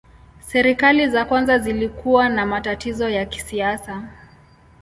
Serikali za kwanza zilikuwa na matatizo ya kisiasa.